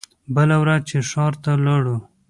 بله ورځ چې ښار ته لاړو.